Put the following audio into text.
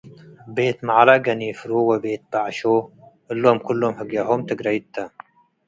ቤት-መዐለ፡ ገኒፍሩ ወቤት-በዐሾ እሎም ክሎም ህግያሆም ትግረይት ተ ።